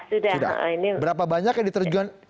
sudah berapa banyak yang diterjun